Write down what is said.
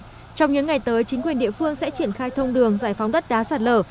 trong những ngày tới chính quyền địa phương sẽ triển khai thông đường giải phóng đất đá sạt lở